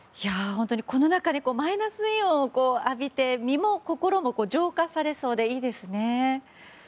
この中でマイナスイオンを浴びて身も心も浄化されそうでいいですね。